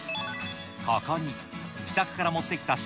ここに自宅から持ってきた敷